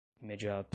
imediato